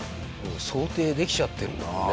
想定できちゃってるもんね。